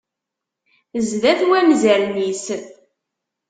Zdat wanzaren-is.